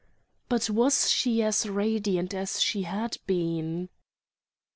But was she as radiant as she had been?